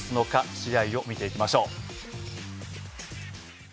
試合を見ていきましょう。